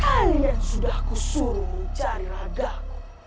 kalian sudah aku suruh mencari ragaku